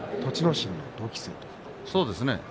心の同期生です。